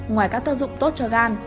ngoài các tác dụng tốt cho gan